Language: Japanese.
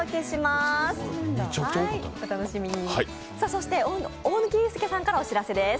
そして大貫勇輔さんからお知らせです。